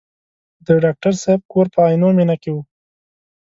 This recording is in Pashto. د ډاکټر صاحب کور په عینومېنه کې و.